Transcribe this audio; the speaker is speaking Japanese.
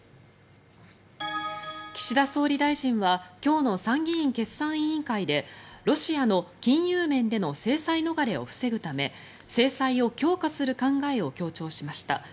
岸田総理大臣は今日の参議院決算委員会でロシアの金融面での制裁逃れを防ぐため制裁を強化する考えを強調しました。